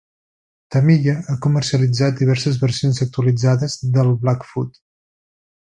Tamiya ha comercialitzat diverses versions actualitzades del Blackfoot.